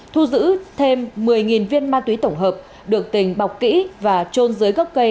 thu giữ thêm một mươi viên ma túy tổng hợp được tình bọc kỹ và trôn dưới gốc cây